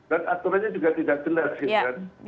dan aturannya juga tidak jelas